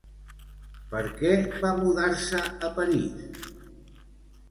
Per què va mudar-se a París?